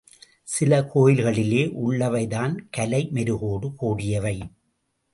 சில கோயில்களிலே உள்ளவைதான் கலை மெருகோடு கூடியவை.